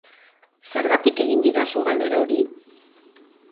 Zergatik egin didazu galdera hori?